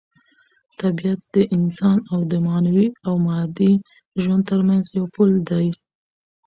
طبیعت د انسان د معنوي او مادي ژوند ترمنځ یو پل دی.